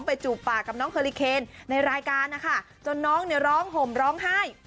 จูบปากกับน้องเฮอลิเคนในรายการนะคะจนน้องเนี่ยร้องห่มร้องไห้